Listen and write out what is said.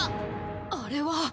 あれは。